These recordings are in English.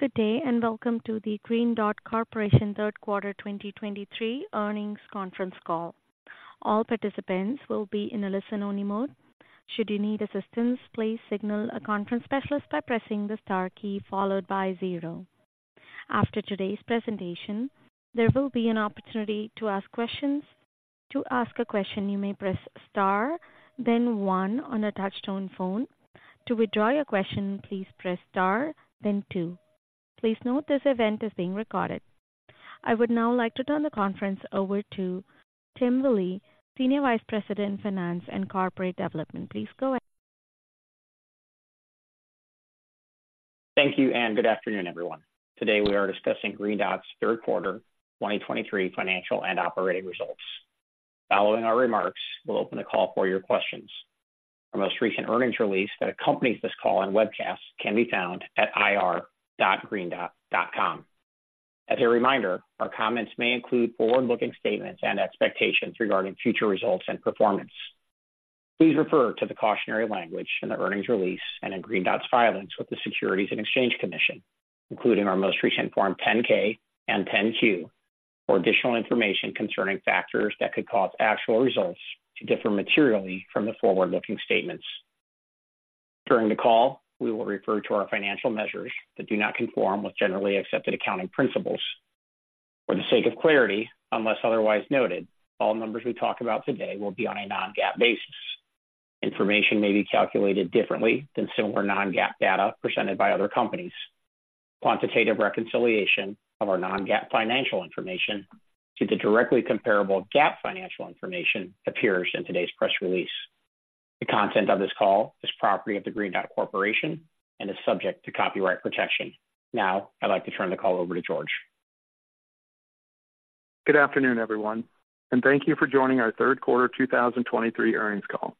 Good day, and welcome to the Green Dot Corporation Q3 2023 Earnings Conference Call. All participants will be in a listen-only mode. Should you need assistance, please signal a conference specialist by pressing the star key followed by zero. After today's presentation, there will be an opportunity to ask questions. To ask a question, you may press star, then one on a touchtone phone. To withdraw your question, please press star, then two. Please note, this event is being recorded. I would now like to turn the conference over to Tim Lee, Senior Vice President, Finance and Corporate Development. Please go ahead. Thank you, and good afternoon, everyone. Today, we are discussing Green Dot's Q3 2023 Financial and Operating Results. Following our remarks, we'll open the call for your questions. Our most recent earnings release that accompanies this call and webcast can be found at ir.greendot.com. As a reminder, our comments may include forward-looking statements and expectations regarding future results and performance. Please refer to the cautionary language in the earnings release and in Green Dot's filings with the Securities and Exchange Commission, including our most recent Form 10-K and 10-Q, for additional information concerning factors that could cause actual results to differ materially from the forward-looking statements. During the call, we will refer to our financial measures that do not conform with generally accepted accounting principles. For the sake of clarity, unless otherwise noted, all numbers we talk about today will be on a non-GAAP basis. Information may be calculated differently than similar non-GAAP data presented by other companies. Quantitative reconciliation of our non-GAAP financial information to the directly comparable GAAP financial information appears in today's press release. The content of this call is property of the Green Dot Corporation and is subject to copyright protection. Now, I'd like to turn the call over to George. Good afternoon, everyone, and thank you for joining our Q3 2023 earnings call.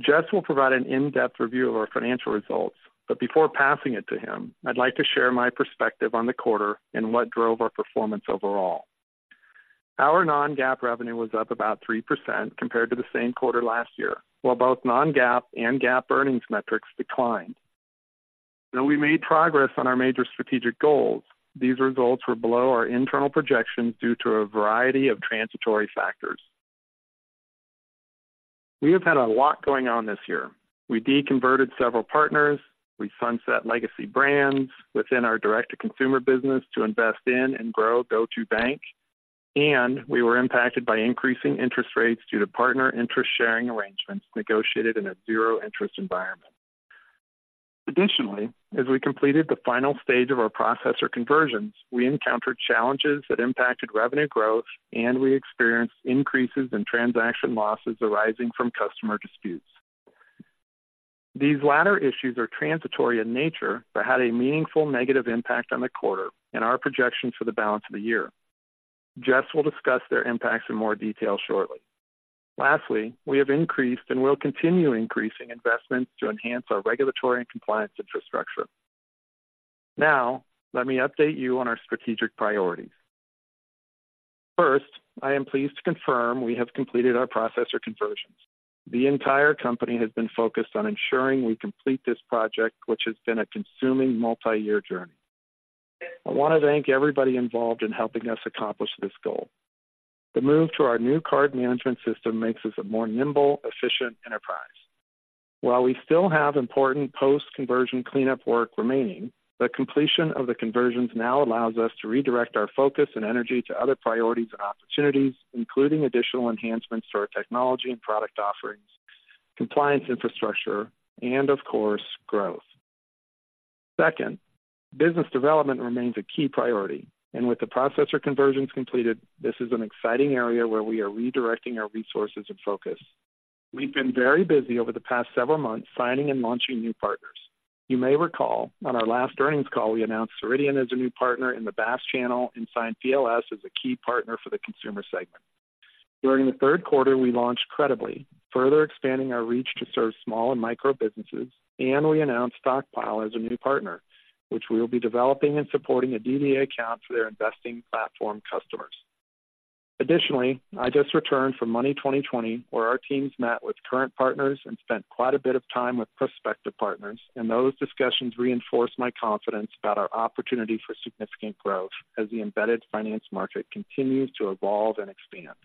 Jess will provide an in-depth review of our financial results, but before passing it to him, I'd like to share my perspective on the quarter and what drove our performance overall. Our non-GAAP revenue was up about 3% compared to the same quarter last year, while both non-GAAP and GAAP earnings metrics declined. Though we made progress on our major strategic goals, these results were below our internal projections due to a variety of transitory factors. We have had a lot going on this year. We deconverted several partners. We sunset legacy brands within our direct-to-consumer business to invest in and grow GO2bank, and we were impacted by increasing interest rates due to partner interest sharing arrangements negotiated in a zero-interest environment. Additionally, as we completed the final stage of our processor conversions, we encountered challenges that impacted revenue growth, and we experienced increases in transaction losses arising from customer disputes. These latter issues are transitory in nature but had a meaningful negative impact on the quarter and our projections for the balance of the year. Jess will discuss their impacts in more detail shortly. Lastly, we have increased and will continue increasing investments to enhance our regulatory and compliance infrastructure. Now, let me update you on our strategic priorities. First, I am pleased to confirm we have completed our processor conversions. The entire company has been focused on ensuring we complete this project, which has been a consuming multi-year journey. I want to thank everybody involved in helping us accomplish this goal. The move to our new card management system makes us a more nimble, efficient enterprise. While we still have important post-conversion cleanup work remaining, the completion of the conversions now allows us to redirect our focus and energy to other priorities and opportunities, including additional enhancements to our technology and product offerings, compliance infrastructure, and of course, growth. Second, business development remains a key priority, and with the processor conversions completed, this is an exciting area where we are redirecting our resources and focus. We've been very busy over the past several months signing and launching new partners. You may recall on our last earnings call, we announced Ceridian as a new partner in the BaaS channel and signed PLS as a key partner for the consumer segment. During the Q3, we launched Credibly, further expanding our reach to serve small and micro businesses, and we announced Stockpile as a new partner, which we will be developing and supporting a DDA account for their investing platform customers. Additionally, I just returned from Money20/20, where our teams met with current partners and spent quite a bit of time with prospective partners, and those discussions reinforced my confidence about our opportunity for significant growth as the embedded finance market continues to evolve and expand.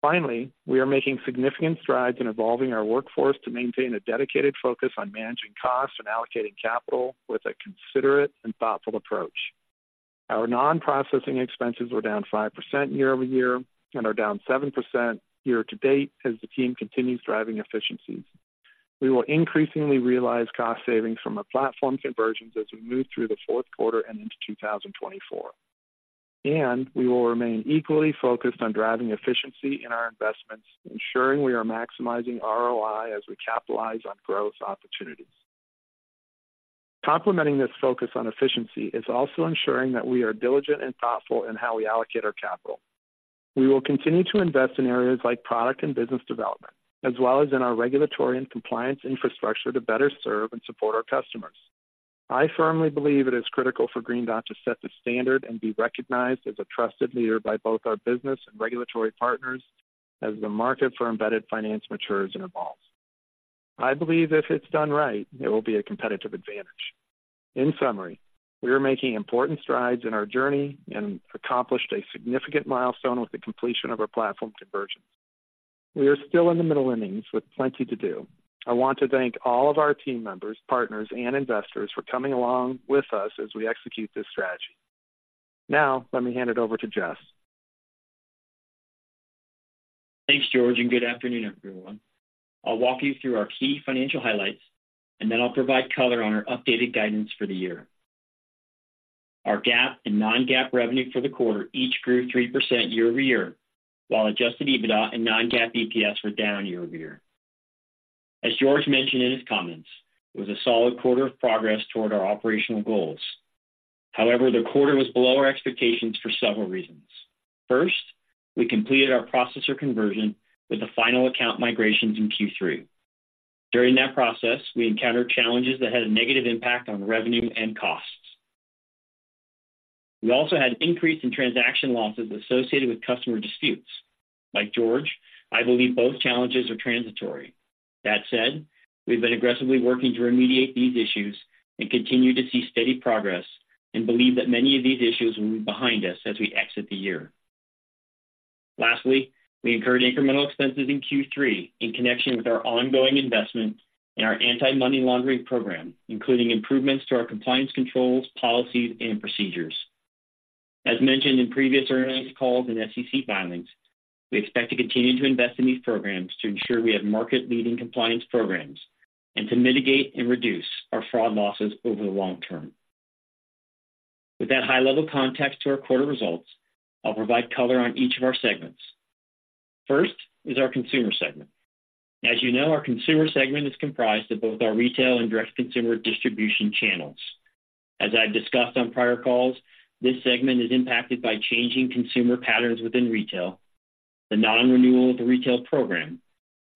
Finally, we are making significant strides in evolving our workforce to maintain a dedicated focus on managing costs and allocating capital with a considerate and thoughtful approach. Our non-processing expenses were down 5% year-over-year and are down 7% year-to-date as the team continues driving efficiencies. We will increasingly realize cost savings from our platform conversions as we move through the Q4 and into 2024. We will remain equally focused on driving efficiency in our investments, ensuring we are maximizing ROI as we capitalize on growth opportunities. Complementing this focus on efficiency is also ensuring that we are diligent and thoughtful in how we allocate our capital. We will continue to invest in areas like product and business development, as well as in our regulatory and compliance infrastructure to better serve and support our customers. I firmly believe it is critical for Green Dot to set the standard and be recognized as a trusted leader by both our business and regulatory partners, as the market for embedded finance matures and evolves. I believe if it's done right, it will be a competitive advantage. In summary, we are making important strides in our journey and accomplished a significant milestone with the completion of our platform conversion. We are still in the middle innings with plenty to do. I want to thank all of our team members, partners, and investors for coming along with us as we execute this strategy. Now let me hand it over to Jess. Thanks, George, and good afternoon, everyone. I'll walk you through our key financial highlights, and then I'll provide color on our updated guidance for the year. Our GAAP and non-GAAP revenue for the quarter each grew 3% year-over-year, while Adjusted EBITDA and non-GAAP EPS were down year-over-year. As George mentioned in his comments, it was a solid quarter of progress toward our operational goals. However, the quarter was below our expectations for several reasons. First, we completed our processor conversion with the final account migrations in Q3. During that process, we encountered challenges that had a negative impact on revenue and costs. We also had an increase in transaction losses associated with customer disputes. Like George, I believe both challenges are transitory. That said, we've been aggressively working to remediate these issues and continue to see steady progress, and believe that many of these issues will be behind us as we exit the year. Lastly, we incurred incremental expenses in Q3 in connection with our ongoing investment in our anti-money laundering program, including improvements to our compliance controls, policies, and procedures. As mentioned in previous earnings calls and SEC filings, we expect to continue to invest in these programs to ensure we have market-leading compliance programs and to mitigate and reduce our fraud losses over the long term. With that high-level context to our quarter results, I'll provide color on each of our segments. First is our consumer segment. As you know, our consumer segment is comprised of both our retail and direct-to-consumer distribution channels. As I've discussed on prior calls, this segment is impacted by changing consumer patterns within retail, the non-renewal of the retail program,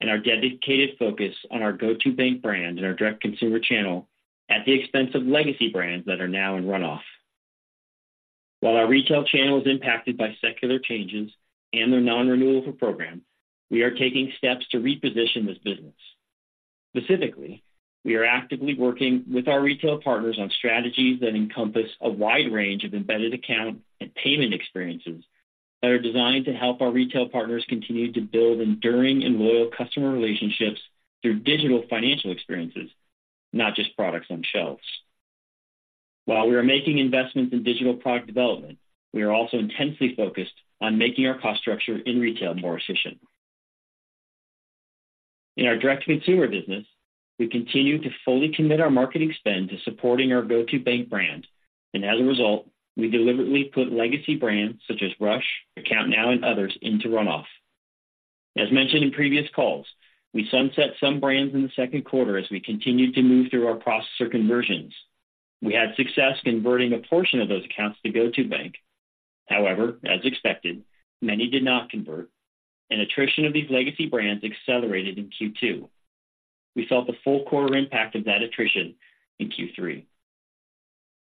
and our dedicated focus on our GO2bank brand and our direct-to-consumer channel at the expense of legacy brands that are now in runoff. While our retail channel is impacted by secular changes and the non-renewal for program, we are taking steps to reposition this business. Specifically, we are actively working with our retail partners on strategies that encompass a wide range of embedded account and payment experiences that are designed to help our retail partners continue to build enduring and loyal customer relationships through digital financial experiences, not just products on shelves. While we are making investments in digital product development, we are also intensely focused on making our cost structure in retail more efficient. In our direct-to-consumer business, we continue to fully commit our marketing spend to supporting our GO2bank brand, and as a result, we deliberately put legacy brands such as Rush, AccountNow, and others into run off. As mentioned in previous calls, we sunset some brands in the Q2 as we continued to move through our processor conversions. We had success converting a portion of those accounts to GO2bank. However, as expected, many did not convert, and attrition of these legacy brands accelerated in Q2. We felt the full quarter impact of that attrition in Q3.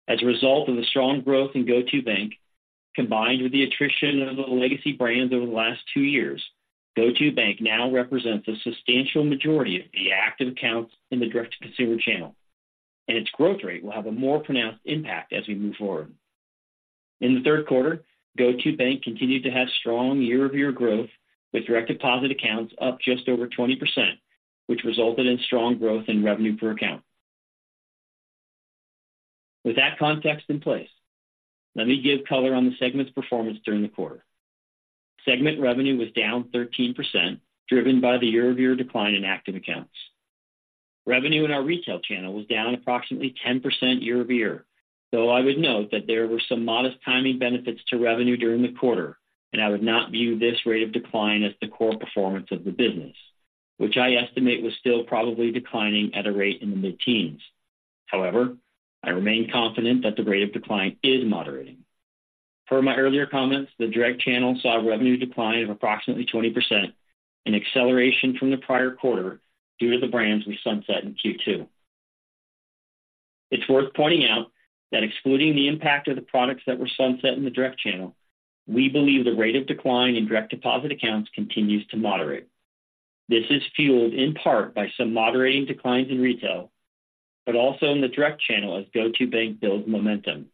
As a result of the strong growth in GO2bank, combined with the attrition of the legacy brands over the last two years, GO2bank now represents a substantial majority of the active accounts in the direct-to-consumer channel, and its growth rate will have a more pronounced impact as we move forward. In the Q3, GO2bank continued to have strong year-over-year growth, with direct deposit accounts up just over 20%, which resulted in strong growth in revenue per account. With that context in place, let me give color on the segment's performance during the quarter. Segment revenue was down 13%, driven by the year-over-year decline in active accounts. Revenue in our retail channel was down approximately 10% year over year, though I would note that there were some modest timing benefits to revenue during the quarter, and I would not view this rate of decline as the core performance of the business, which I estimate was still probably declining at a rate in the mid-teens. However, I remain confident that the rate of decline is moderating. Per my earlier comments, the direct channel saw a revenue decline of approximately 20%, an acceleration from the prior quarter due to the brands we sunset in Q2. It's worth pointing out that excluding the impact of the products that were sunset in the direct channel, we believe the rate of decline in direct deposit accounts continues to moderate. This is fueled in part by some moderating declines in retail, but also in the direct channel as GO2bank builds momentum.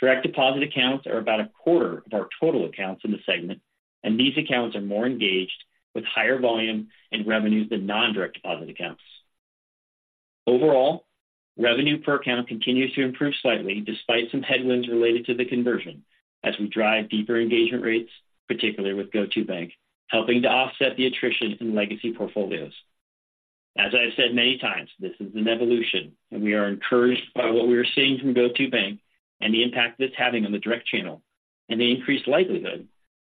Direct deposit accounts are about a quarter of our total accounts in the segment, and these accounts are more engaged with higher volume and revenues than non-direct deposit accounts. Overall, revenue per account continues to improve slightly, despite some headwinds related to the conversion as we drive deeper engagement rates, particularly with GO2bank, helping to offset the attrition in legacy portfolios. As I've said many times, this is an evolution, and we are encouraged by what we are seeing from GO2bank and the impact it's having on the direct channel, and the increased likelihood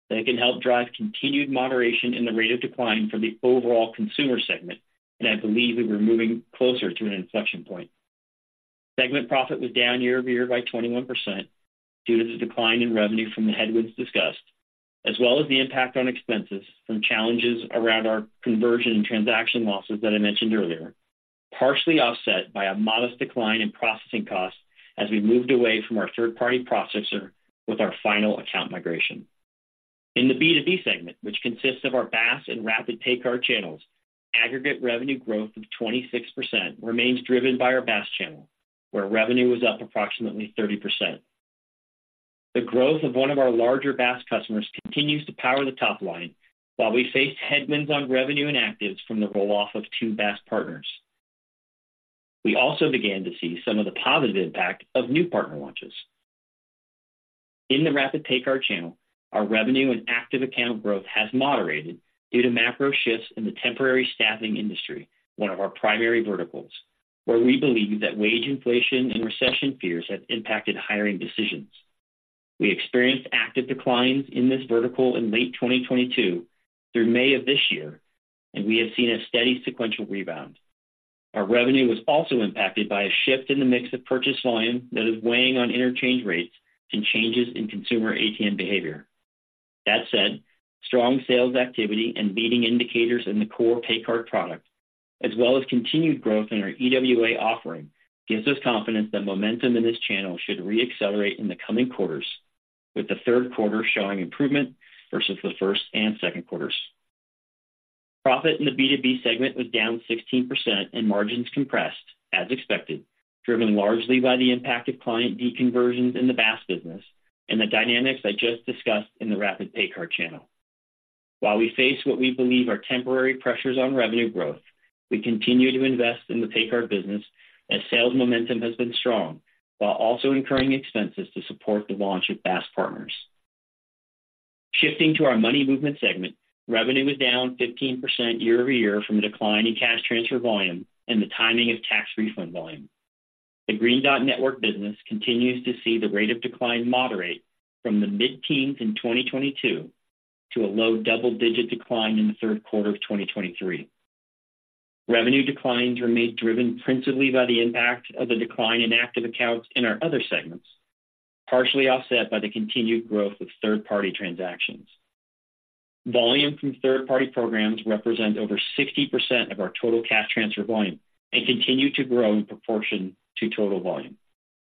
that it can help drive continued moderation in the rate of decline for the overall consumer segment. I believe that we're moving closer to an inflection point. Segment profit was down year-over-year by 21% due to the decline in revenue from the headwinds discussed, as well as the impact on expenses from challenges around our conversion and transaction losses that I mentioned earlier, partially offset by a modest decline in processing costs as we moved away from our third-party processor with our final account migration. In the B2B segment, which consists of our BaaS and rapid! PayCard channels, aggregate revenue growth of 26% remains driven by our BaaS channel, where revenue was up approximately 30%. The growth of one of our larger BaaS customers continues to power the top line, while we faced headwinds on revenue and actives from the roll-off of two BaaS partners. We also began to see some of the positive impact of new partner launches. In the rapid! PayCard channel, our revenue and active account growth has moderated due to macro shifts in the temporary staffing industry, one of our primary verticals, where we believe that wage inflation and recession fears have impacted hiring decisions. We experienced active declines in this vertical in late 2022 through May of this year, and we have seen a steady sequential rebound. Our revenue was also impacted by a shift in the mix of purchase volume that is weighing on interchange rates and changes in consumer ATM behavior. That said, strong sales activity and leading indicators in the core PayCard product, as well as continued growth in our EWA offering, gives us confidence that momentum in this channel should re-accelerate in the coming quarters, with the Q3 showing improvement versus the first and Q2s. Profit in the B2B segment was down 16% and margins compressed as expected, driven largely by the impact of client deconversions in the BaaS business and the dynamics I just discussed in the rapid! PayCard channel. While we face what we believe are temporary pressures on revenue growth, we continue to invest in the PayCard business as sales momentum has been strong, while also incurring expenses to support the launch of BaaS partners. Shifting to our money movement segment, revenue was down 15% year-over-year from a decline in cash transfer volume and the timing of tax refund volume. The Green Dot Network business continues to see the rate of decline moderate from the mid-teens in 2022 to a low double-digit decline in the Q3 of 2023. Revenue declines remained driven principally by the impact of the decline in active accounts in our other segments, partially offset by the continued growth of third-party transactions. Volume from third-party programs represent over 60% of our total cash transfer volume and continue to grow in proportion to total volume.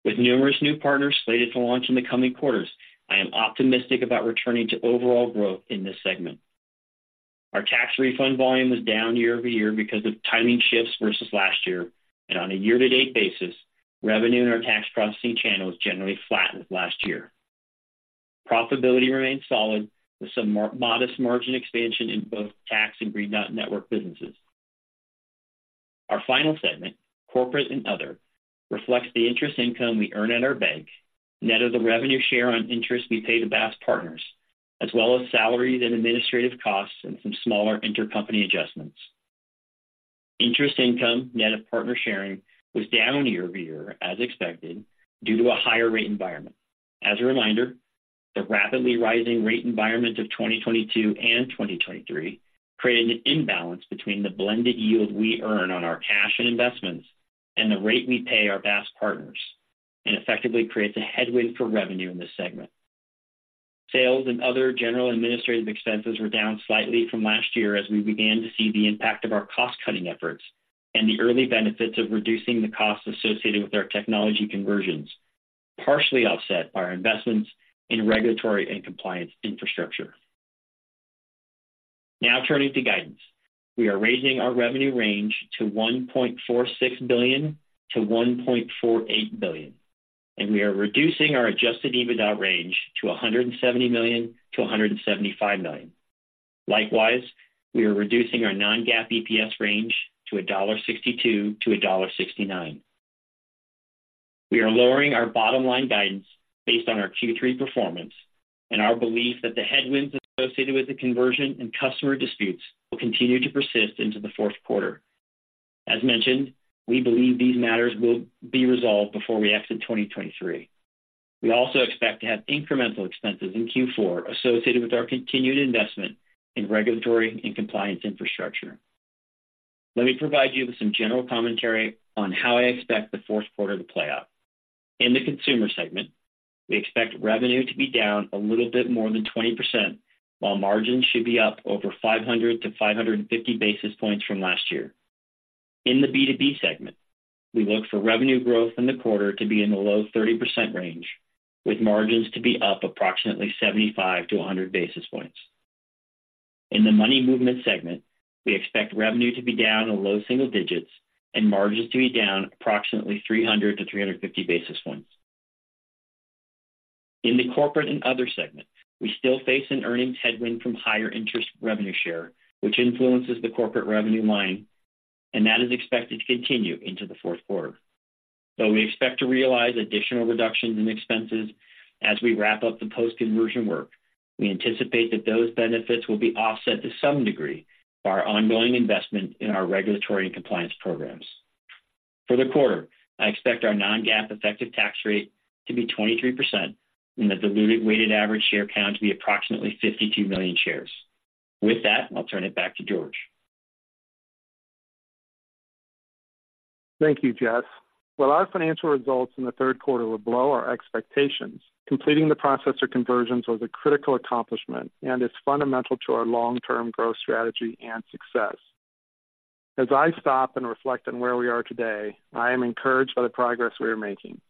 With numerous new partners slated to launch in the coming quarters, I am optimistic about returning to overall growth in this segment. Our tax refund volume was down year over year because of timing shifts versus last year. On a year-to-date basis, revenue in our tax processing channel was generally flat with last year. Profitability remained solid, with some modest margin expansion in both tax and Green Dot Network businesses. Our final segment, corporate and other, reflects the interest income we earn at our bank, net of the revenue share on interest we pay to BaaS partners, as well as salaries and administrative costs and some smaller intercompany adjustments. Interest income, net of partner sharing, was down year over year, as expected, due to a higher rate environment. As a reminder, the rapidly rising rate environment of 2022 and 2023 created an imbalance between the blended yield we earn on our cash and investments and the rate we pay our BaaS partners, and effectively creates a headwind for revenue in this segment. Sales and other general administrative expenses were down slightly from last year as we began to see the impact of our cost-cutting efforts and the early benefits of reducing the costs associated with our technology conversions, partially offset by our investments in regulatory and compliance infrastructure. Now turning to guidance. We are raising our revenue range to $1.46 to 1.48 billion, and we are reducing our adjusted EBITDA range to $170 to 175 million. Likewise, we are reducing our non-GAAP EPS range to $1.62 to 1.69. We are lowering our bottom line guidance based on our Q3 performance and our belief that the headwinds associated with the conversion and customer disputes will continue to persist into the Q4. As mentioned, we believe these matters will be resolved before we exit 2023. We also expect to have incremental expenses in Q4 associated with our continued investment in regulatory and compliance infrastructure. Let me provide you with some general commentary on how I expect the Q4 to play out. In the consumer segment, we expect revenue to be down a little bit more than 20%, while margins should be up over 500 to 550 basis points from last year. In the B2B segment, we look for revenue growth in the quarter to be in the low 30% range, with margins to be up approximately 75 to 100 basis points. In the money movement segment, we expect revenue to be down in low single digits and margins to be down approximately 300 to 350 basis points. In the corporate and other segment, we still face an earnings headwind from higher interest revenue share, which influences the corporate revenue line, and that is expected to continue into the Q4. Though we expect to realize additional reductions in expenses as we wrap up the post-conversion work, we anticipate that those benefits will be offset to some degree by our ongoing investment in our regulatory and compliance programs. For the quarter, I expect our non-GAAP effective tax rate to be 23% and the diluted weighted average share count to be approximately 52 million shares. With that, I'll turn it back to George. Thank you, Jess. While our financial results in the Q3 were below our expectations, completing the processor conversions was a critical accomplishment and is fundamental to our long-term growth strategy and success. As I stop and reflect on where we are today, I am encouraged by the progress we are making.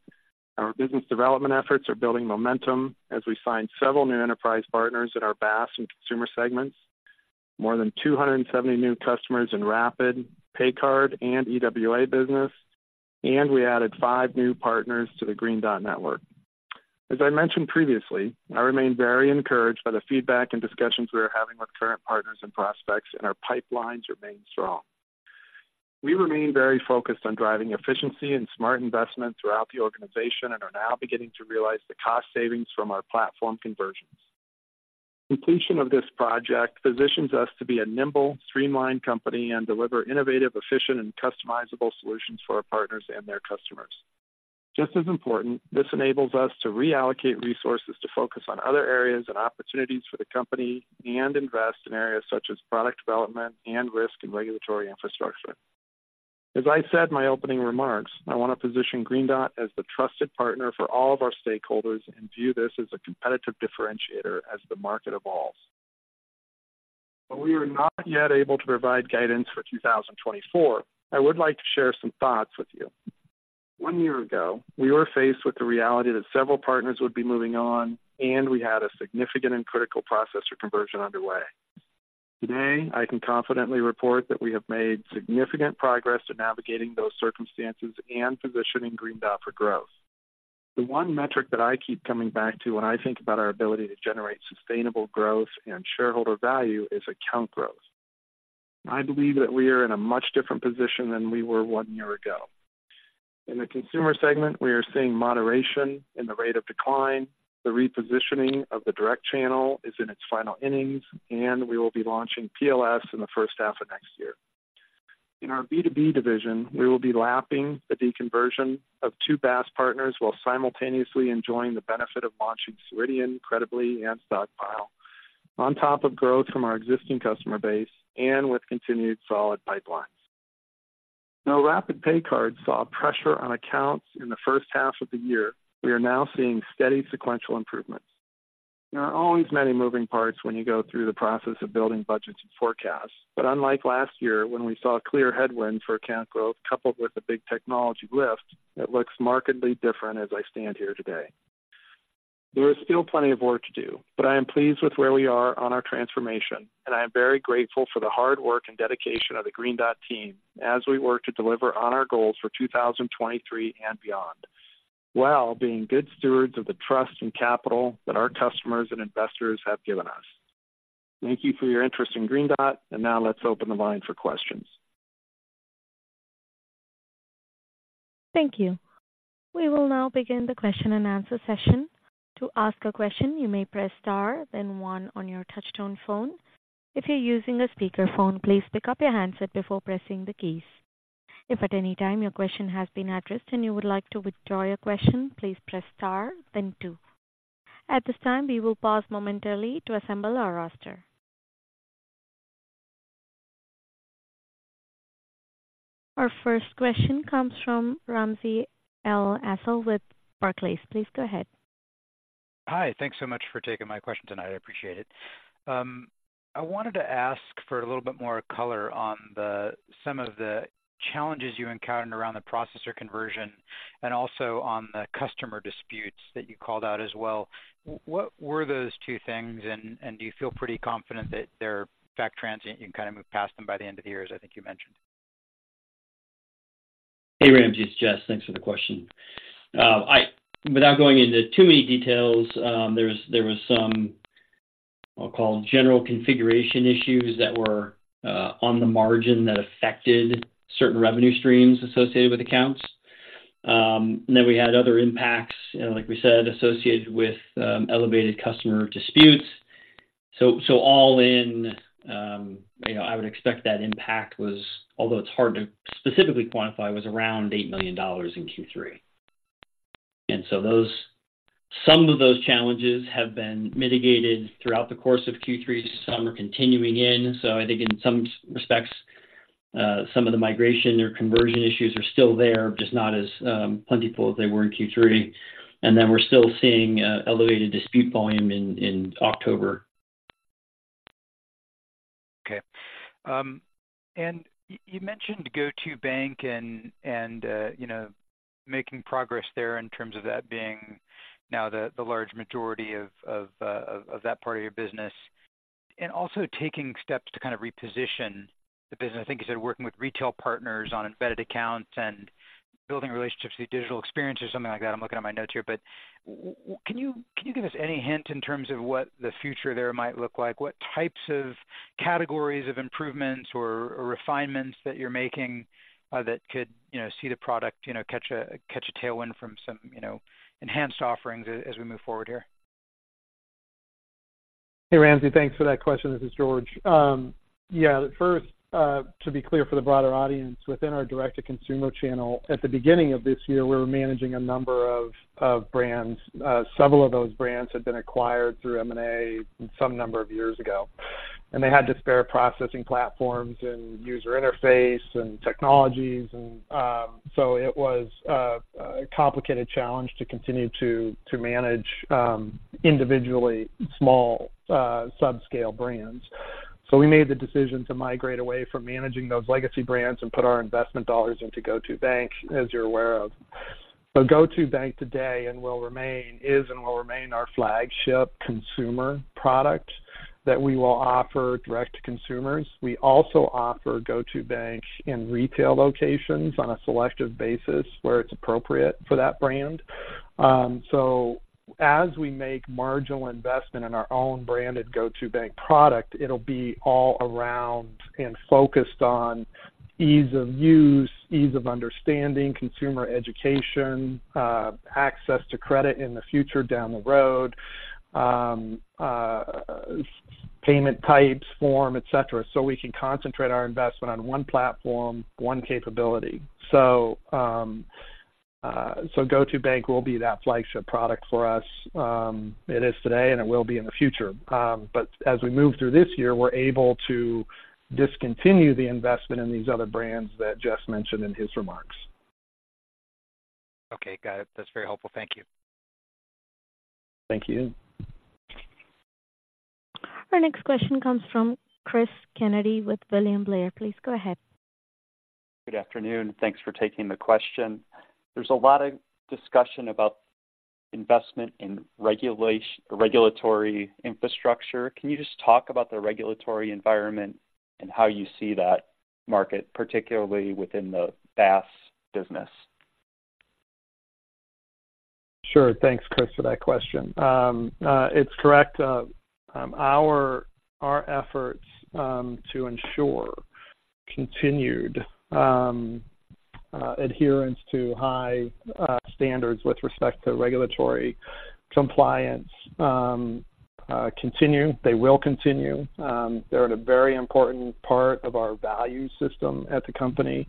Our business development efforts are building momentum as we signed several new enterprise partners in our BaaS and consumer segments, more than 270 new customers in Rapid PayCard and EWA business, and we added five new partners to the Green Dot Network. As I mentioned previously, I remain very encouraged by the feedback and discussions we are having with current partners and prospects, and our pipelines remain strong. We remain very focused on driving efficiency and smart investment throughout the organization and are now beginning to realize the cost savings from our platform conversions. Completion of this project positions us to be a nimble, streamlined company and deliver innovative, efficient, and customizable solutions for our partners and their customers. Just as important, this enables us to reallocate resources to focus on other areas and opportunities for the company and invest in areas such as product development and risk and regulatory infrastructure. As I said in my opening remarks, I want to position Green Dot as the trusted partner for all of our stakeholders and view this as a competitive differentiator as the market evolves. While we are not yet able to provide guidance for 2024, I would like to share some thoughts with you. One year ago, we were faced with the reality that several partners would be moving on and we had a significant and critical processor conversion underway. Today, I can confidently report that we have made significant progress in navigating those circumstances and positioning Green Dot for growth. The one metric that I keep coming back to when I think about our ability to generate sustainable growth and shareholder value is account growth. I believe that we are in a much different position than we were one year ago. In the consumer segment, we are seeing moderation in the rate of decline. The repositioning of the direct channel is in its final innings, and we will be launching PLS in the first half of next year. In our B2B division, we will be lapping the deconversion of two BaaS partners while simultaneously enjoying the benefit of launching Ceridian, Credibly and Stockpile on top of growth from our existing customer base and with continued solid pipelines. Now, rapid! PayCard saw pressure on accounts in the first half of the year. We are now seeing steady sequential improvement. There are always many moving parts when you go through the process of building budgets and forecasts, but unlike last year, when we saw clear headwinds for account growth coupled with a big technology lift, it looks markedly different as I stand here today. There is still plenty of work to do, but I am pleased with where we are on our transformation, and I am very grateful for the hard work and dedication of the Green Dot team as we work to deliver on our goals for 2023 and beyond, while being good stewards of the trust and capital that our customers and investors have given us. Thank you for your interest in Green Dot, and now let's open the line for questions. Thank you. We will now begin the question-and-answer session. To ask a question, you may press Star, then one on your touchtone phone. If you're using a speakerphone, please pick up your handset before pressing the keys. If at any time your question has been addressed and you would like to withdraw your question, please press Star then two. At this time, we will pause momentarily to assemble our roster. Our first question comes from Ramsey El-Assal with Barclays. Please go ahead. Hi, thanks so much for taking my question tonight. I appreciate it. I wanted to ask for a little bit more color on some of the challenges you encountered around the processor conversion and also on the customer disputes that you called out as well. What were those two things, and do you feel pretty confident that they're in fact transient, you can kind of move past them by the end of the year, as I think you mentioned? Hey, Ramsey, it's Jess. Thanks for the question. Without going into too many details, there was some, I'll call them, general configuration issues that were on the margin that affected certain revenue streams associated with accounts. Then we had other impacts, you know, like we said, associated with elevated customer disputes. So all in, you know, I would expect that impact was, although it's hard to specifically quantify, was around $8 million in Q3. And so some of those challenges have been mitigated throughout the course of Q3. Some are continuing in. So I think in some respects, some of the migration or conversion issues are still there, just not as plentiful as they were in Q3. And then we're still seeing elevated dispute volume in October. Okay. And you mentioned GO2bank and you know, making progress there in terms of that being now the large majority of that part of your business, and also taking steps to kind of reposition the business. I think you said working with retail partners on embedded accounts and building relationships with digital experience or something like that. I'm looking at my notes here, but can you give us any hint in terms of what the future there might look like? What types of categories of improvements or refinements that you're making that could you know, see the product you know, catch a tailwind from some you know, enhanced offerings as we move forward here? Hey, Ramsey, thanks for that question. This is George. Yeah, first, to be clear for the broader audience, within our direct-to-consumer channel, at the beginning of this year, we were managing a number of brands. Several of those brands had been acquired through M&A some number of years ago. And they had disparate processing platforms and user interface and technologies. And, so it was a complicated challenge to continue to manage individually small subscale brands. So we made the decision to migrate away from managing those legacy brands and put our investment dollars into GO2bank, as you're aware of. So GO2bank today, is and will remain our flagship consumer product that we will offer direct to consumers. We also offer GO2bank in retail locations on a selective basis where it's appropriate for that brand. So as we make marginal investment in our own branded GO2bank product, it'll be all around and focused on ease of use, ease of understanding, consumer education, access to credit in the future, down the road, payment types, form, et cetera. We can concentrate our investment on one platform, one capability. GO2bank will be that flagship product for us. It is today, and it will be in the future. But as we move through this year, we're able to discontinue the investment in these other brands that Jess mentioned in his remarks. Okay, got it. That's very helpful. Thank you. Thank you. Our next question comes from Chris Kennedy with William Blair. Please go ahead. Good afternoon. Thanks for taking the question. There's a lot of discussion about investment in regulatory infrastructure. Can you just talk about the regulatory environment and how you see that market, particularly within the BaaS business? Sure. Thanks, Chris, for that question. It's correct. Our efforts to ensure continued adherence to high standards with respect to regulatory compliance continue. They will continue. They're at a very important part of our value system at the company.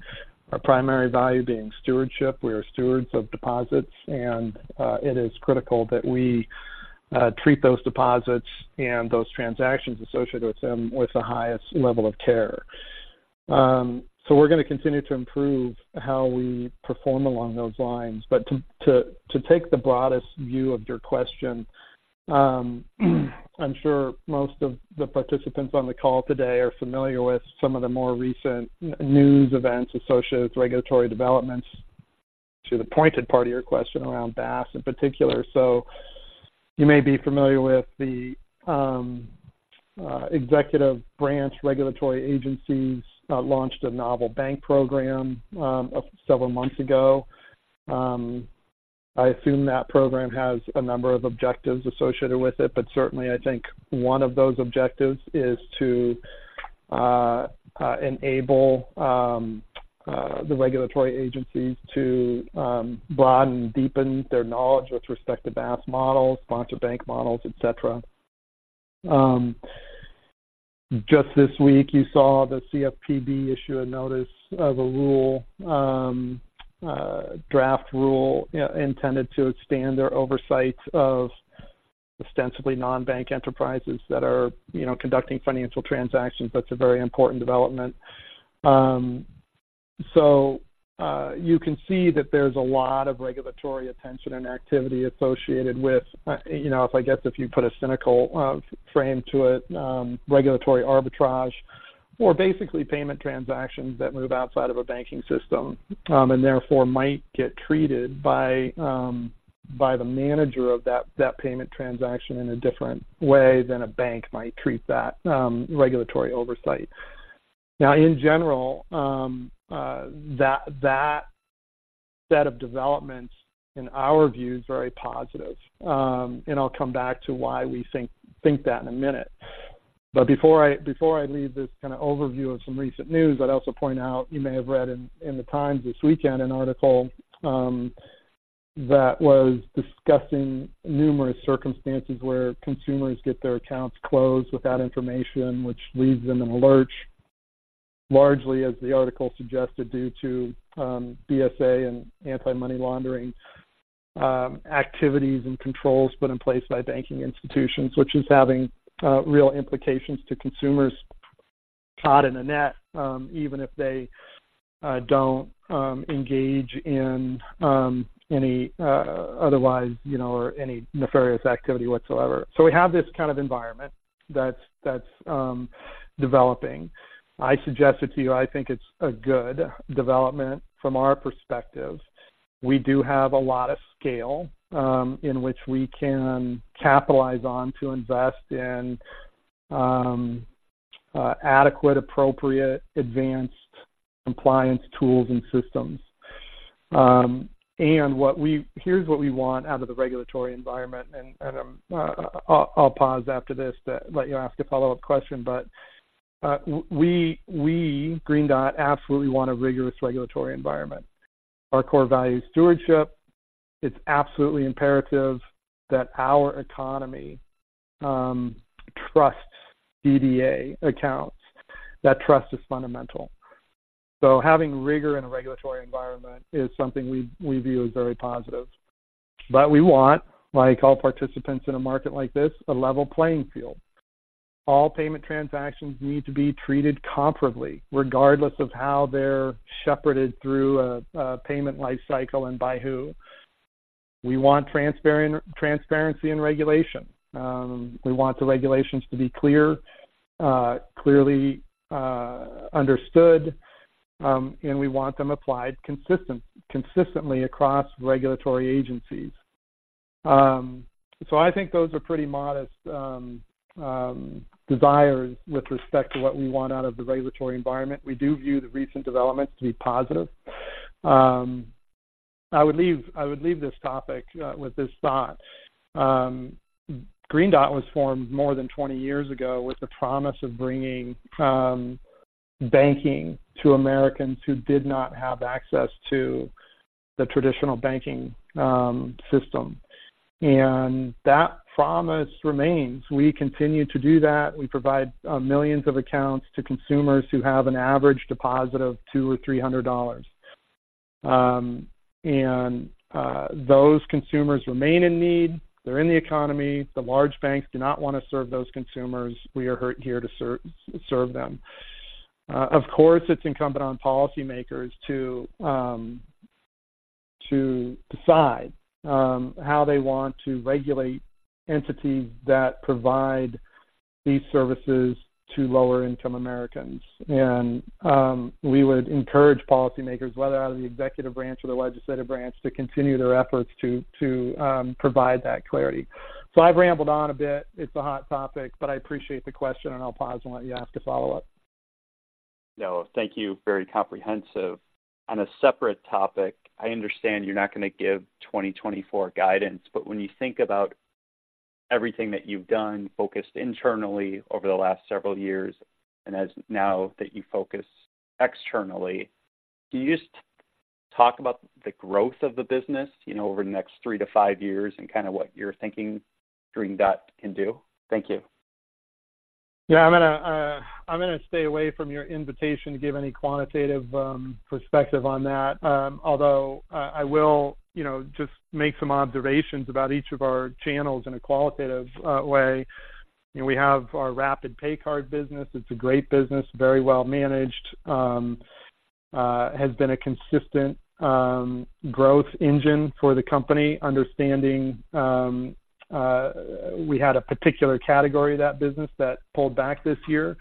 Our primary value being stewardship. We are stewards of deposits, and it is critical that we treat those deposits and those transactions associated with them with the highest level of care. So we're gonna continue to improve how we perform along those lines. But to take the broadest view of your question, I'm sure most of the participants on the call today are familiar with some of the more recent news events associated with regulatory developments. To the pointed part of your question around BaaS in particular, so you may be familiar with the executive branch regulatory agencies launched a novel bank program several months ago. I assume that program has a number of objectives associated with it, but certainly, I think one of those objectives is to enable the regulatory agencies to broaden and deepen their knowledge with respect to BaaS models, sponsored bank models, et cetera. Just this week, you saw the CFPB issue a notice of a draft rule intended to expand their oversight of ostensibly non-bank enterprises that are, you know, conducting financial transactions. That's a very important development. So, you can see that there's a lot of regulatory attention and activity associated with, you know, I guess if you put a cynical frame to it, regulatory arbitrage or basically payment transactions that move outside of a banking system, and therefore might get treated by, by the manager of that payment transaction in a different way than a bank might treat that regulatory oversight. Now, in general, that set of developments, in our view, is very positive. And I'll come back to why we think that in a minute. But before I leave this kind of overview of some recent news, I'd also point out you may have read in the Times this weekend an article that was discussing numerous circumstances where consumers get their accounts closed without information, which leaves them in a lurch, largely, as the article suggested, due to BSA and anti-money laundering activities and controls put in place by banking institutions, which is having real implications to consumers caught in a net, even if they don't engage in any otherwise, you know, or any nefarious activity whatsoever. So we have this kind of environment that's developing. I suggest it to you. I think it's a good development from our perspective. We do have a lot of scale, in which we can capitalize on to invest in adequate, appropriate, advanced compliance tools and systems. And what we-- Here's what we want out of the regulatory environment, and I'll pause after this to let you ask a follow-up question. But Green Dot absolutely want a rigorous regulatory environment. Our core value, stewardship, it's absolutely imperative that our economy trusts DDA accounts. That trust is fundamental. So having rigor in a regulatory environment is something we view as very positive. But we want, like all participants in a market like this, a level playing field. All payment transactions need to be treated comparably, regardless of how they're shepherded through a payment life cycle and by who. We want transparency in regulation. We want the regulations to be clear, clearly understood, and we want them applied consistently across regulatory agencies. So I think those are pretty modest desires with respect to what we want out of the regulatory environment. We do view the recent developments to be positive. I would leave this topic with this thought. Green Dot was formed more than 20 years ago with the promise of bringing banking to Americans who did not have access to the traditional banking system. And that promise remains. We continue to do that. We provide millions of accounts to consumers who have an average deposit of $200 or $300. And those consumers remain in need. They're in the economy. The large banks do not want to serve those consumers. We are here to serve them. Of course, it's incumbent on policymakers to decide how they want to regulate entities that provide these services to lower-income Americans. We would encourage policymakers, whether out of the executive branch or the legislative branch, to continue their efforts to provide that clarity. So I've rambled on a bit. It's a hot topic, but I appreciate the question, and I'll pause and let you ask a follow-up. No, thank you. Very comprehensive. On a separate topic, I understand you're not going to give 2024 guidance, but when you think about everything that you've done, focused internally over the last several years, and as now that you focus externally, can you just talk about the growth of the business, you know, over the next three to five years and kind of what you're thinking Green Dot can do? Thank you. Yeah. I'm going to, I'm going to stay away from your invitation to give any quantitative perspective on that. Although, I, I will, you know, just make some observations about each of our channels in a qualitative way. You know, we have our rapid! PayCard business. It's a great business, very well managed. Has been a consistent growth engine for the company, understanding we had a particular category of that business that pulled back this year.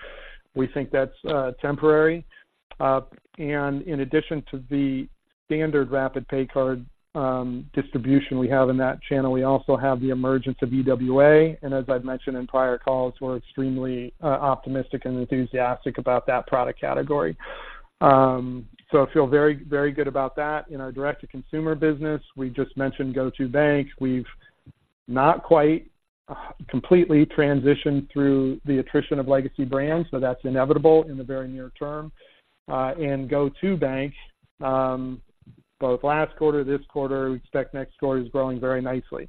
We think that's temporary. And in addition to the standard rapid! PayCard distribution we have in that channel, we also have the emergence of EWA. And as I've mentioned in prior calls, we're extremely optimistic and enthusiastic about that product category. So I feel very, very good about that. In our direct-to-consumer business, we just mentioned GO2bank. We've not quite completely transitioned through the attrition of legacy brands, so that's inevitable in the very near term. And GO2bank both last quarter, this quarter, we expect next quarter, is growing very nicely.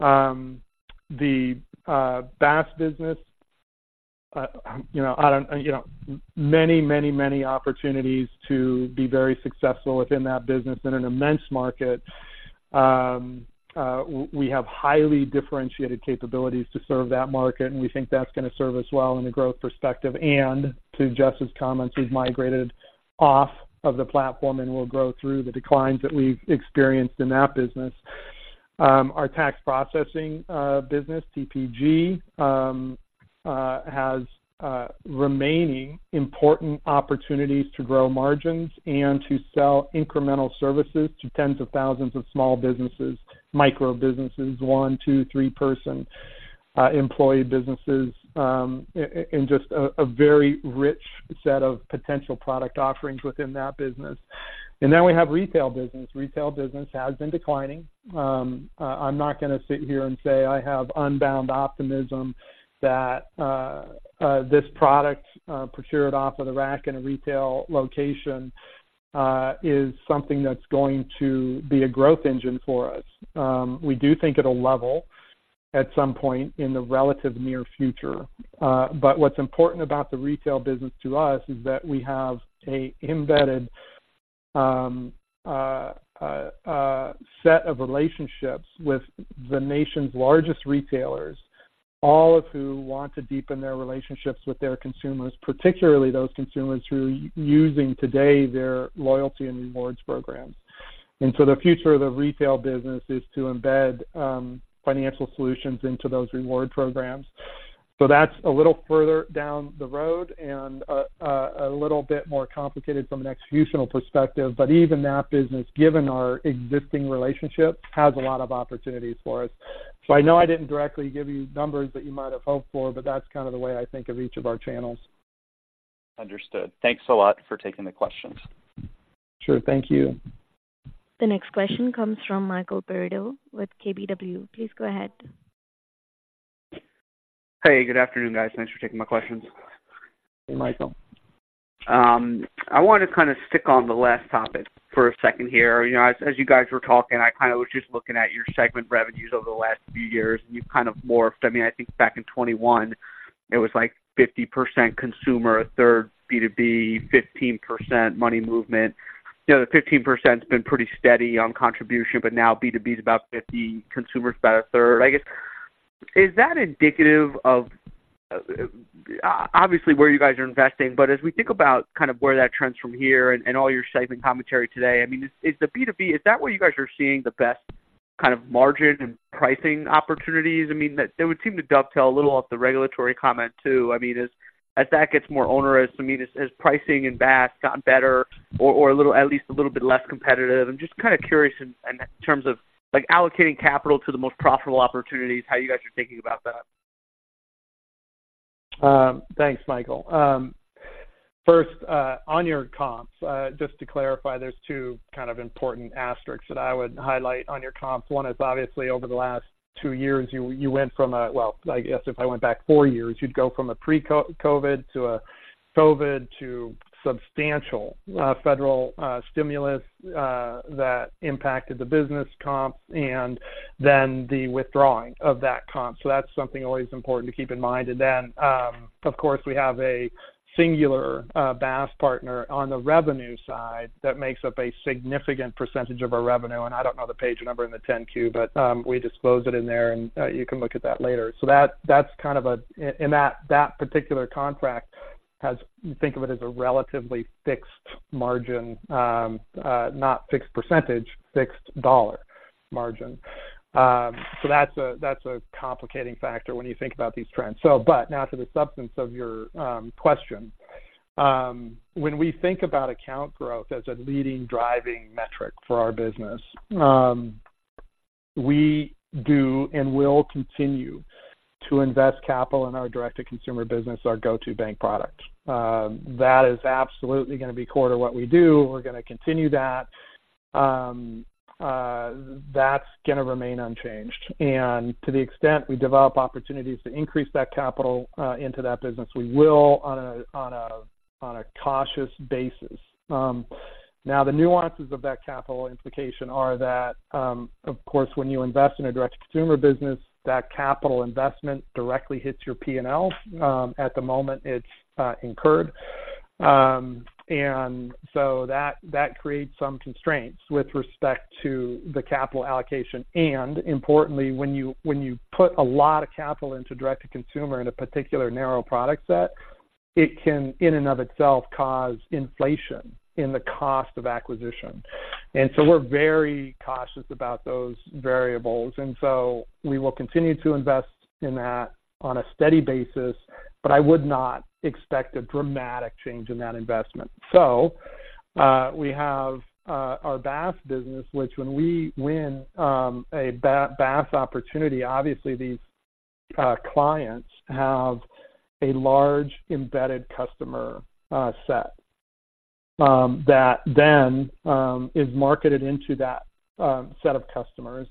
The BaaS business, you know, many, many, many opportunities to be very successful within that business in an immense market. We have highly differentiated capabilities to serve that market, and we think that's going to serve us well in the growth perspective. And to Jess's comments, we've migrated off of the platform and will grow through the declines that we've experienced in that business. Our tax processing business, TPG, has remaining important opportunities to grow margins and to sell incremental services to tens of thousands of small businesses, micro businesses, one-, two-, three-person employee businesses, in just a very rich set of potential product offerings within that business. And then we have retail business. Retail business has been declining. I'm not going to sit here and say I have unbound optimism that this product procured off-of-the-rack in a retail location is something that's going to be a growth engine for us. We do think it'll level at some point in the relative near future. But what's important about the retail business to us is that we have an embedded set of relationships with the nation's largest retailers, all of who want to deepen their relationships with their consumers, particularly those consumers who are using today their loyalty and rewards programs. And so the future of the retail business is to embed financial solutions into those reward programs. So that's a little further down the road and a little bit more complicated from an executional perspective, but even that business, given our existing relationships, has a lot of opportunities for us. So I know I didn't directly give you numbers that you might have hoped for, but that's kind of the way I think of each of our channels. Understood. Thanks a lot for taking the questions. Sure. Thank you. The next question comes from Michael Perito with KBW. Please go ahead. Hey, good afternoon, guys. Thanks for taking my questions. Hey, Michael. I want to kind of stick on the last topic for a second here. You know, as you guys were talking, I kind of was just looking at your segment revenues over the last few years, and you've kind of morphed. I mean, I think back in 2021, it was like 50% consumer, a third B2B, 15% money movement. You know, the 15%'s been pretty steady on contribution, but now B2B is about 50, consumer's about a third, I guess. Is that indicative of obviously where you guys are investing? But as we think about kind of where that trends from here and all your shaping commentary today, I mean, is the B2B, is that where you guys are seeing the best kind of margin and pricing opportunities? I mean, that they would seem to dovetail a little off the regulatory comment, too. I mean, as that gets more onerous, I mean, has pricing and BaaS gotten better or a little, at least a little bit less competitive? I'm just kind of curious in terms of like allocating capital to the most profitable opportunities, how you guys are thinking about that. Thanks, Michael. First, on your comps, just to clarify, there's two kind of important asterisks that I would highlight on your comps. One is, obviously, over the last two years, you went from a... Well, I guess if I went back four years, you'd go from a pre-COVID to a COVID to substantial federal stimulus that impacted the business comp and then the withdrawing of that comp. So that's something always important to keep in mind. And then, of course, we have a singular BaaS partner on the revenue side that makes up a significant percentage of our revenue, and I don't know the page number in the 10-Q, but we disclose it in there, and you can look at that later. So that's kind of, and that particular contract has think of it as a relatively fixed margin, not fixed percentage, fixed dollar margin. So that's a complicating factor when you think about these trends. So but now to the substance of your question. When we think about account growth as a leading driving metric for our business, we do and will continue to invest capital in our direct-to-consumer business, our GO2bank product. That is absolutely gonna be core to what we do. We're gonna continue that. That's gonna remain unchanged. And to the extent we develop opportunities to increase that capital into that business, we will on a cautious basis. Now, the nuances of that capital implication are that, of course, when you invest in a direct-to-consumer business, that capital investment directly hits your P&L, at the moment it's incurred. And so that, that creates some constraints with respect to the capital allocation. And importantly, when you, when you put a lot of capital into direct-to-consumer in a particular narrow product set, it can, in and of itself, cause inflation in the cost of acquisition. And so we're very cautious about those variables, and so we will continue to invest in that on a steady basis, but I would not expect a dramatic change in that investment. So, we have our BAS business, which when we win a BAS opportunity, obviously these clients have a large embedded customer set that then is marketed into that set of customers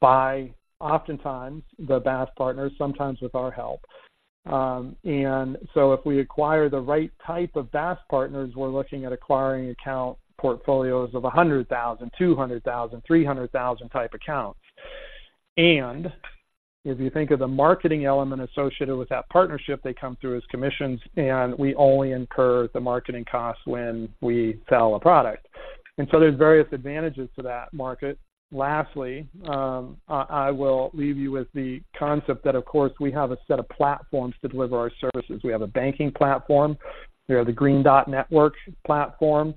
by oftentimes the BAS partners, sometimes with our help. And so if we acquire the right type of BAS partners, we're looking at acquiring account portfolios of 100,000, 200,000, 300,000 type accounts. And if you think of the marketing element associated with that partnership, they come through as commissions, and we only incur the marketing costs when we sell a product. And so there's various advantages to that market. Lastly, I will leave you with the concept that, of course, we have a set of platforms to deliver our services. We have a banking platform, we have the Green Dot Network platform,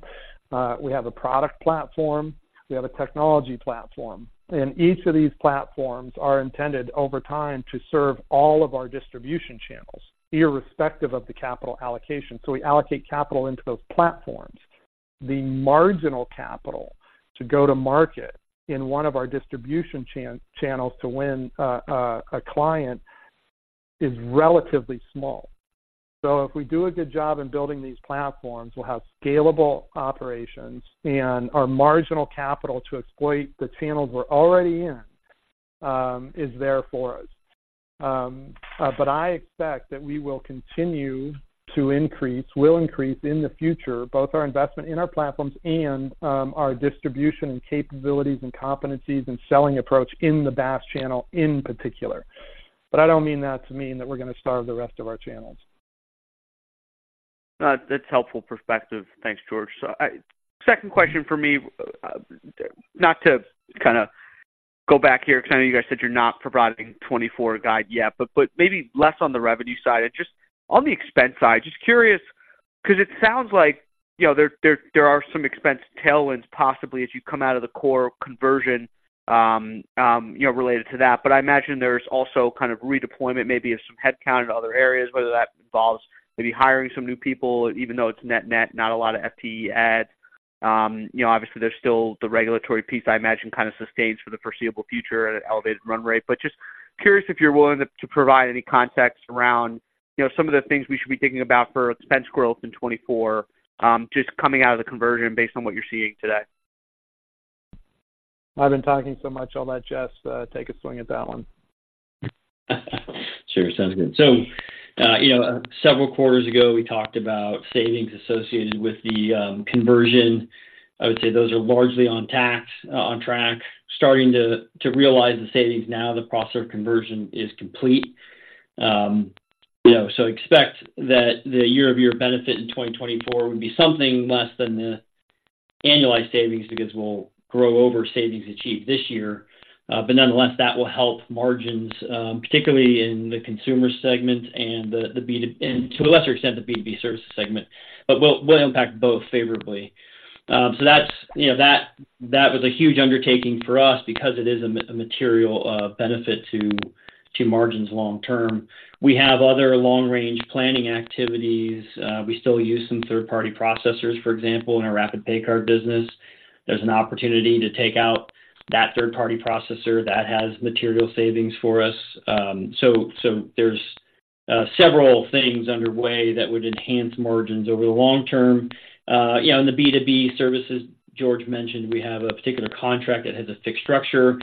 we have a product platform, we have a technology platform. And each of these platforms are intended over time to serve all of our distribution channels, irrespective of the capital allocation. So we allocate capital into those platforms. The marginal capital to go to market in one of our distribution channels to win a client is relatively small. So if we do a good job in building these platforms, we'll have scalable operations, and our marginal capital to exploit the channels we're already in, is there for us. But I expect that we will continue to increase in the future, both our investment in our platforms and our distribution and capabilities and competencies and selling approach in the BaaS channel in particular. I don't mean that to mean that we're gonna starve the rest of our channels. That's helpful perspective. Thanks, George. So, second question for me, not to kind of go back here because I know you guys said you're not providing 2024 guide yet, but maybe less on the revenue side and just on the expense side, just curious, because it sounds like, you know, there are some expense tailwinds possibly as you come out of the core conversion, you know, related to that. But I imagine there's also kind of redeployment maybe of some headcount in other areas, whether that involves maybe hiring some new people, even though it's net net, not a lot of FTE adds. You know, obviously, there's still the regulatory piece I imagine kind of sustains for the foreseeable future at an elevated run rate. Just curious if you're willing to provide any context around, you know, some of the things we should be thinking about for expense growth in 2024, just coming out of the conversion based on what you're seeing today? I've been talking so much. I'll let Jess take a swing at that one. Sure, sounds good. So, you know, several quarters ago, we talked about savings associated with the conversion. I would say those are largely on task, on track, starting to realize the savings now the processor conversion is complete. You know, so expect that the year-over-year benefit in 2024 would be something less than the annualized savings because we'll grow over savings achieved this year. But nonetheless, that will help margins, particularly in the consumer segment and, to a lesser extent, the B2B services segment, but will impact both favorably. So that's, you know, that was a huge undertaking for us because it is a material benefit to margins long term. We have other long-range planning activities. We still use some third-party processors, for example, in our rapid! PayCard business. There's an opportunity to take out that third-party processor that has material savings for us. So there's several things underway that would enhance margins over the long term. You know, in the B2B services, George mentioned, we have a particular contract that has a fixed structure.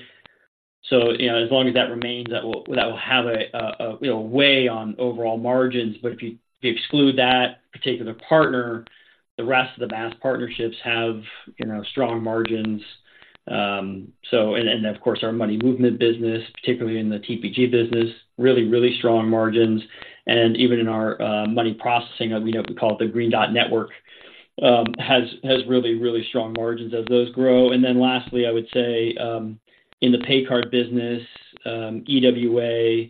So, you know, as long as that remains, that will have a weigh on overall margins. But if you exclude that particular partner, the rest of the BaaS partnerships have strong margins. So, and of course, our money movement business, particularly in the TPG business, really, really strong margins. And even in our money processing, you know, we call it the Green Dot Network, has really, really strong margins as those grow. And then lastly, I would say, in the PayCard business, EWA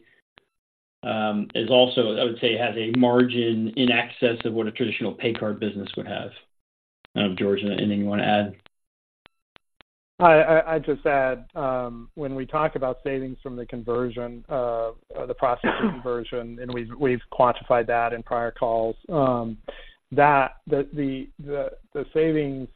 is also I would say, has a margin in excess of what a traditional PayCard business would have. George, anything you want to add? I'd just add, when we talk about savings from the conversion, the processing conversion, and we've quantified that in prior calls, that the savings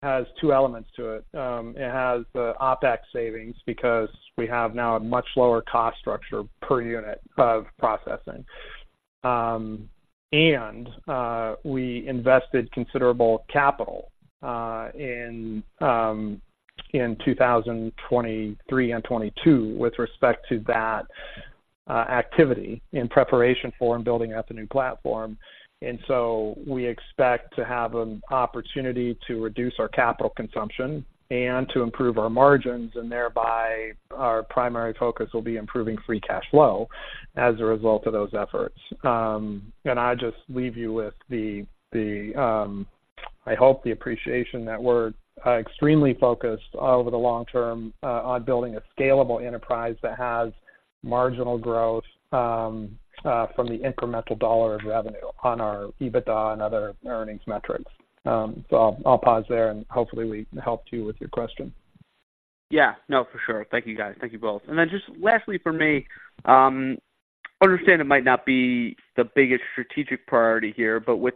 has two elements to it. It has the OpEx savings because we have now a much lower cost structure per unit of processing. And we invested considerable capital in 2023 and 2022 with respect to that activity in preparation for and building out the new platform. So we expect to have an opportunity to reduce our capital consumption and to improve our margins, and thereby our primary focus will be improving free cash flow as a result of those efforts. I'll just leave you with, I hope, the appreciation that we're extremely focused over the long term on building a scalable enterprise that has marginal growth from the incremental dollar of revenue on our EBITDA and other earnings metrics. So I'll pause there, and hopefully, we helped you with your question. Yeah. No, for sure. Thank you, guys. Thank you both. And then just lastly for me, I understand it might not be the biggest strategic priority here, but with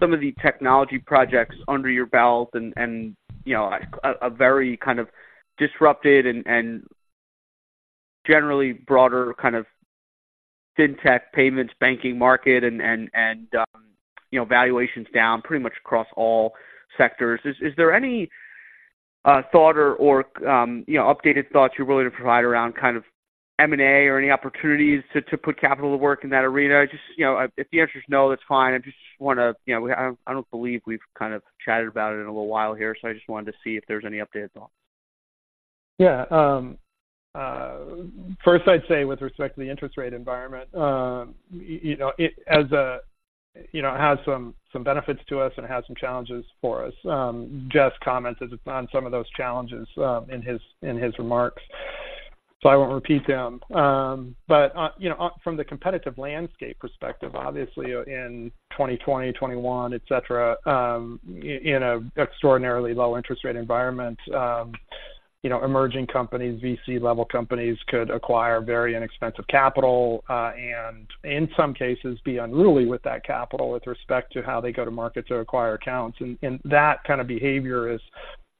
some of the technology projects under your belt and, you know, a very kind of disrupted and generally broader kind of fintech payments, banking market and, you know, valuations down pretty much across all sectors. Is there any thought or, you know, updated thoughts you're willing to provide around kind of M&A or any opportunities to put capital to work in that arena? Just, you know, if the answer is no, that's fine. I just want to, you know, I don't believe we've kind of chatted about it in a little while here, so I just wanted to see if there's any updates on. Yeah, first, I'd say with respect to the interest rate environment, you know, it has some benefits to us and has some challenges for us. Jeff commented on some of those challenges in his remarks, so I won't repeat them. But, you know, from the competitive landscape perspective, obviously in 2020, 2021, etc., in an extraordinarily low interest rate environment, you know, emerging companies, VC-level companies, could acquire very inexpensive capital, and in some cases be unruly with that capital with respect to how they go to market to acquire accounts. And that kind of behavior is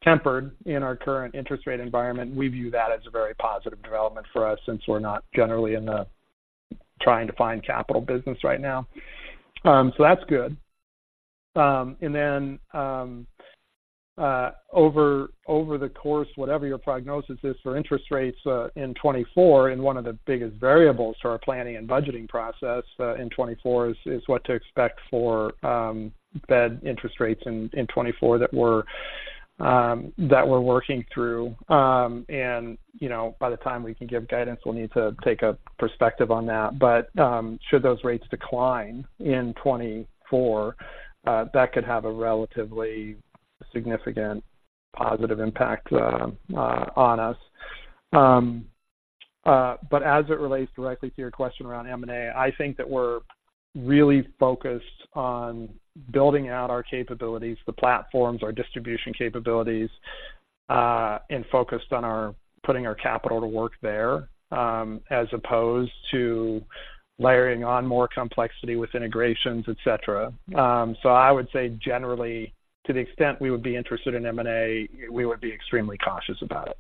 tempered in our current interest rate environment. We view that as a very positive development for us since we're not generally in the trying to find capital business right now. So that's good. And then, over the course, whatever your prognosis is for interest rates in 2024, and one of the biggest variables for our planning and budgeting process in 2024 is what to expect for Fed interest rates in 2024 that we're working through. And, you know, by the time we can give guidance, we'll need to take a perspective on that. But should those rates decline in 2024, that could have a relatively significant positive impact on us. But as it relates directly to your question around M&A, I think that we're really focused on building out our capabilities, the platforms, our distribution capabilities, and focused on putting our capital to work there, as opposed to layering on more complexity with integrations, et cetera. So I would say generally, to the extent we would be interested in M&A, we would be extremely cautious about it.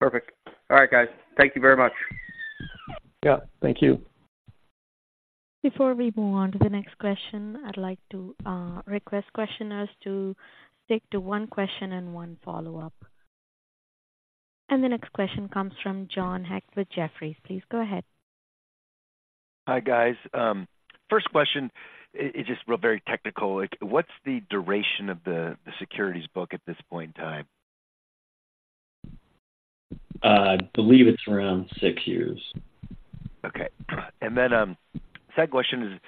Perfect. All right, guys. Thank you very much. Yeah, thank you. Before we move on to the next question, I'd like to request questioners to stick to one question and one follow-up. The next question comes from John Hecht with Jefferies. Please go ahead. Hi, guys. First question is just really, very technical. What's the duration of the securities book at this point in time?... I believe it's around 6 years. Okay. And then, second question is,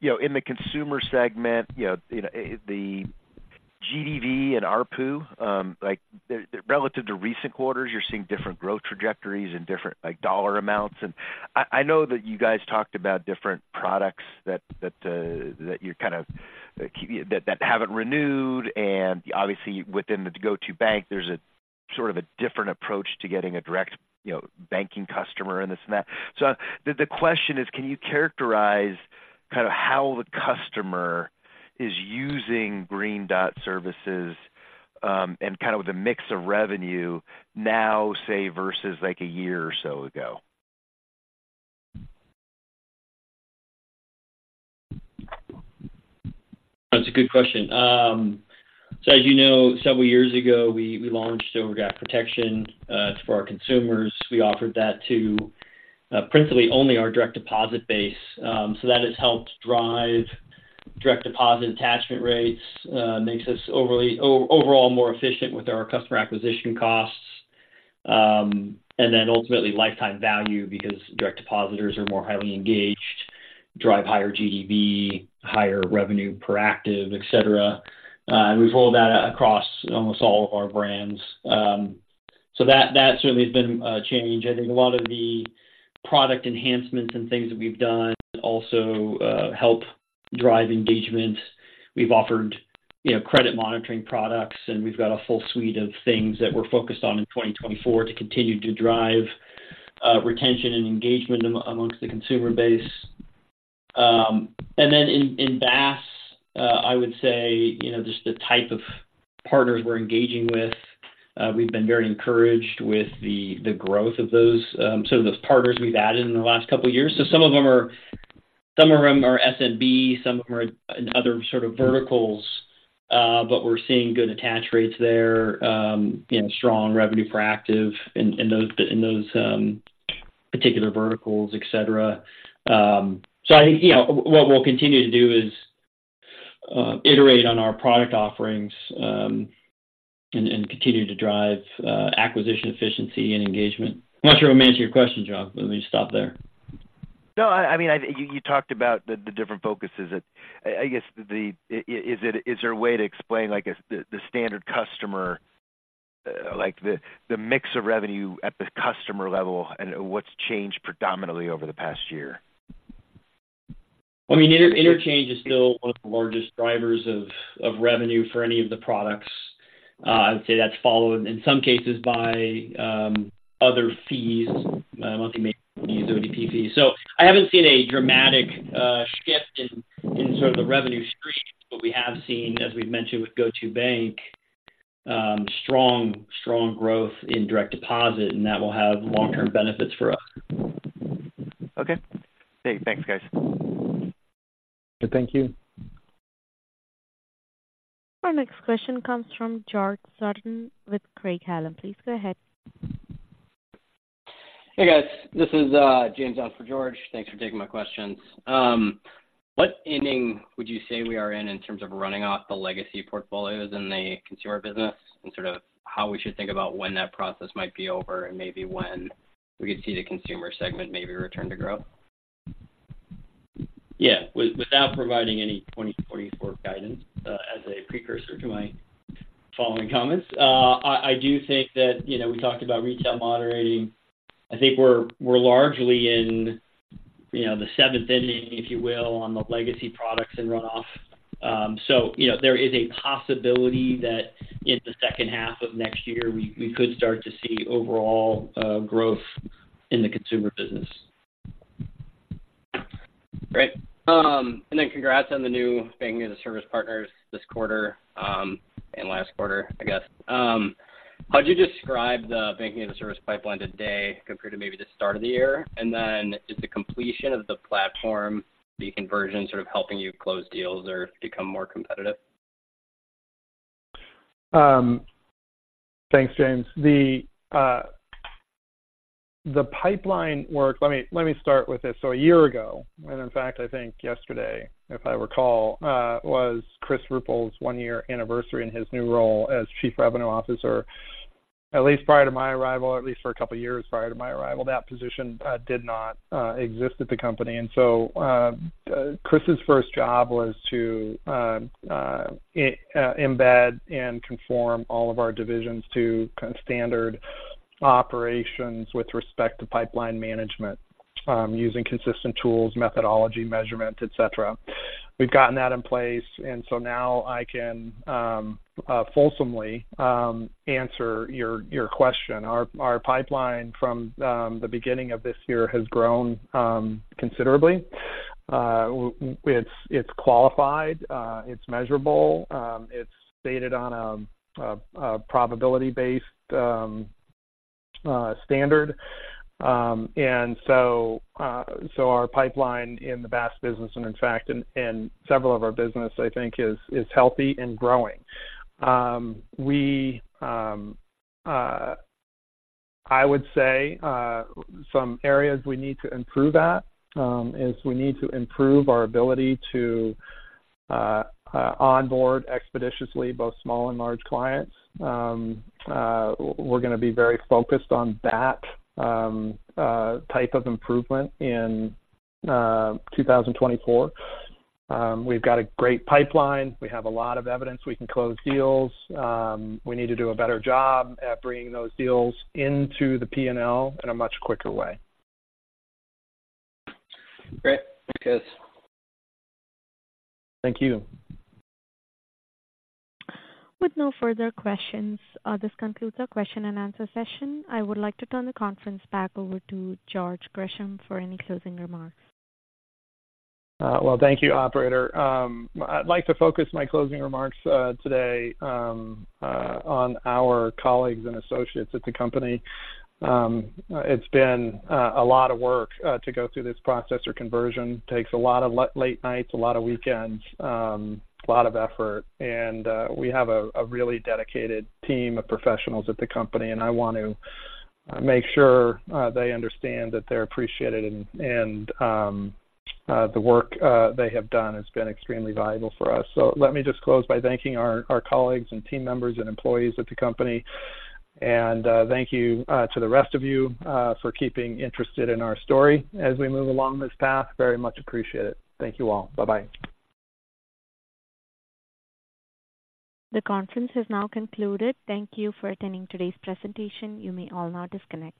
you know, in the consumer segment, you know, the GDV and ARPU, like, relative to recent quarters, you're seeing different growth trajectories and different, like, dollar amounts. And I know that you guys talked about different products that haven't renewed, and obviously, within the GO2bank, there's a sort of a different approach to getting a direct, you know, banking customer and this and that. So the question is, can you characterize kind of how the customer is using Green Dot services, and kind of the mix of revenue now, say, versus like a year or so ago? That's a good question. So as you know, several years ago, we launched Overdraft Protection for our consumers. We offered that to principally only our direct deposit base. So that has helped drive direct deposit attachment rates, makes us overall more efficient with our customer acquisition costs, and then ultimately lifetime value because direct depositors are more highly engaged, drive higher GDV, higher revenue per active, et cetera. And we've rolled that out across almost all of our brands. So that certainly has been a change. I think a lot of the product enhancements and things that we've done also help drive engagement. We've offered, you know, credit monitoring products, and we've got a full suite of things that we're focused on in 2024 to continue to drive retention and engagement amongst the consumer base. And then in BaaS, I would say, you know, just the type of partners we're engaging with, we've been very encouraged with the growth of those, some of those partners we've added in the last couple of years. So some of them are SMB, some of them are in other sort of verticals, but we're seeing good attach rates there, you know, strong revenue per active in those particular verticals, et cetera. So I think, you know, what we'll continue to do is iterate on our product offerings and continue to drive acquisition, efficiency, and engagement. I'm not sure I'm answering your question, John. Let me stop there. No, I mean, you talked about the different focuses. I guess, is there a way to explain, like, the standard customer, like the mix of revenue at the customer level and what's changed predominantly over the past year? I mean, interchange is still one of the largest drivers of revenue for any of the products. I'd say that's followed in some cases by other fees, monthly maintenance fees, ODPP. So I haven't seen a dramatic shift in sort of the revenue stream, but we have seen, as we've mentioned, with GO2bank, strong growth in direct deposit, and that will have long-term benefits for us. Okay. Great. Thanks, guys. Thank you. Our next question comes from George Sutton with Craig-Hallum. Please go ahead. Hey, guys. This is James in for George. Thanks for taking my questions. What inning would you say we are in, in terms of running off the legacy portfolios in the consumer business and sort of how we should think about when that process might be over and maybe when we could see the consumer segment maybe return to growth? Yeah. Without providing any 2024 guidance, as a precursor to my following comments, I do think that, you know, we talked about retail moderating. I think we're largely in, you know, the seventh inning, if you will, on the legacy products and runoff. So, you know, there is a possibility that in the second half of next year, we could start to see overall growth in the consumer business. Great. Congrats on the new banking-as-a-service partners this quarter, and last quarter, I guess. How'd you describe the banking-as-a-service pipeline today compared to maybe the start of the year? Is the completion of the platform, the conversion, sort of helping you close deals or become more competitive? Thanks, James. The pipeline work... Let me start with this. So a year ago, and in fact, I think yesterday, if I recall, was Chris Ruppel's one-year anniversary in his new role as Chief Revenue Officer. At least prior to my arrival, or at least for a couple of years prior to my arrival, that position did not exist at the company. And so, Chris's first job was to embed and conform all of our divisions to kind of standard operations with respect to pipeline management, using consistent tools, methodology, measurement, et cetera. We've gotten that in place, and so now I can fulsomely answer your question. Our pipeline from the beginning of this year has grown considerably. It's qualified, it's measurable, it's stated on a probability-based standard. And so, our pipeline in the BaaS business and in fact, in several of our business, I think is healthy and growing. I would say, some areas we need to improve at is we need to improve our ability to onboard expeditiously, both small and large clients. We're gonna be very focused on that type of improvement in 2024. We've got a great pipeline. We have a lot of evidence we can close deals. We need to do a better job at bringing those deals into the P&L in a much quicker way. Great. Thanks. Thank you. With no further questions, this concludes our question and answer session. I would like to turn the conference back over to George Gresham for any closing remarks. Well, thank you, operator. I'd like to focus my closing remarks today on our colleagues and associates at the company. It's been a lot of work to go through this process or conversion. Takes a lot of late nights, a lot of weekends, a lot of effort. And we have a really dedicated team of professionals at the company, and I want to make sure they understand that they're appreciated and the work they have done has been extremely valuable for us. So let me just close by thanking our colleagues and team members and employees of the company. And thank you to the rest of you for keeping interested in our story as we move along this path. Very much appreciate it. Thank you all. Bye-bye. The conference is now concluded. Thank you for attending today's presentation. You may all now disconnect.